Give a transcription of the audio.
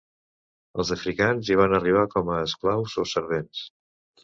Els africans hi van arribar com a esclaus o servents.